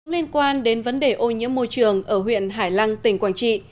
liên quan đến vấn đề ô nhiễm môi trường ở huyện hải lăng tỉnh quảng trị